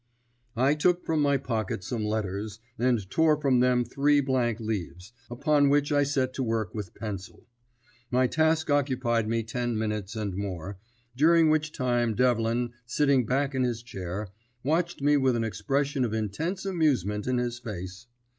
I took from my pocket some letters, and tore from them three blank leaves, upon which I set to work with pencil. My task occupied me ten minutes and more, during which time Devlin, sitting back in his chair, watched me with an expression of intense amusement in his face.